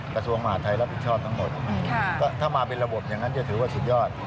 กระทรวงมหาดไทยรับผิดชอบทั้งหมดถ้ามาเป็นระบบอย่างนั้นจะถือว่าสุดยอด